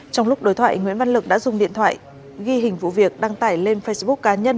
trong lúc đối thoại nguyễn văn lực đã dùng điện thoại ghi hình vụ việc đăng tải lên facebook cá nhân